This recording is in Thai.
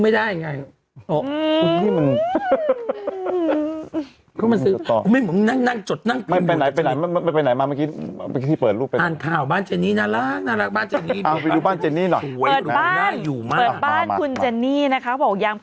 ไม่มีสักเลขแล้วหายไม่ได้ผ่าน